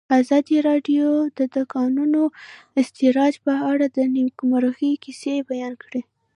ازادي راډیو د د کانونو استخراج په اړه د نېکمرغۍ کیسې بیان کړې.